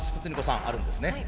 さんあるんですね。